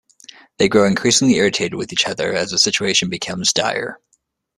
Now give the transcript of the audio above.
They grow increasingly irritated with each other as the situation becomes dire.